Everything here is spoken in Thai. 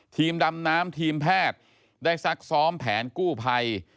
ทีมดำน้ำทีมแพทย์ได้ซักซ้อมแผนกู้ภัย